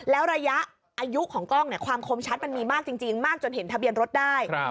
แล้วระยะอายุของกล้องความคมชัดมันมีมากจริงมากจนเห็นทะเบียนรถได้